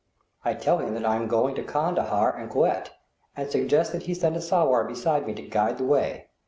I tell him that I am going to Kandahar and Quetta, and suggest that he send a sowar with me to guide the way.